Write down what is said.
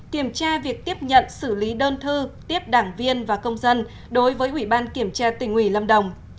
kiểm tra việc tiếp nhận xử lý đơn thư tiếp đảng viên và công dân đối với ủy ban kiểm tra tỉnh ủy lâm đồng